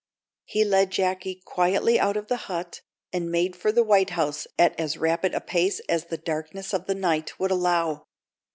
He led Jacky quietly out of the hut, and made for the White House at as rapid a pace as the darkness of the night would allow.